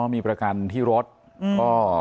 อ๋อมีประกันที่รถอือ